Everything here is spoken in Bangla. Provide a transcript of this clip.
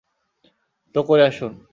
তো করে আসুন।